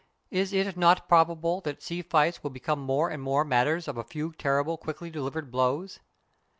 Is it not probable that sea fights will become more and more matters of a few terrible, quickly delivered blows?